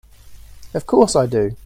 Of course I do!